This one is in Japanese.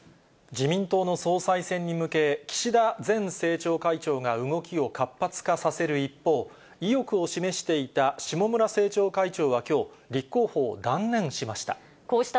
自民党の総裁選に向け、岸田前政調会長が動きを活発化させる一方、意欲を示していた下村政調会長はきょう、立候補を断念しました。